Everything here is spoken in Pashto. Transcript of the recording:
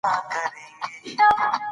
افغانستان د لعل د پلوه ځانته ځانګړتیا لري.